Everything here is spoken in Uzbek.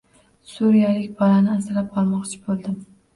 Suriyalik bolani asrab olmoqchi bo‘ldim.